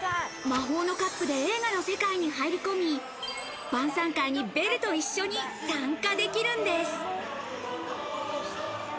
魔法のカップで映画の世界に入り込み、晩餐会にベルと一緒に参加できるんです。